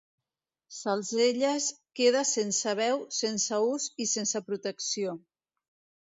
Salselles queda sense veu, sense ús i sense protecció.